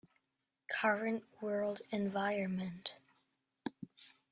Current World Environment.